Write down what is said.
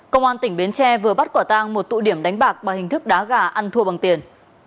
công an tỉnh bến tre vừa bắt quả tang một tụ điểm đánh bạc bằng hình thức đá gà ăn thua bằng tiền